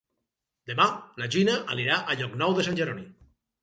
Demà na Gina anirà a Llocnou de Sant Jeroni.